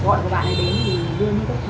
gọi của bạn ấy đến thì đưa đi bất cứ thứ